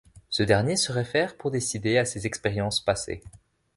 Ce dernier se réfère pour décider à ses expériences passées.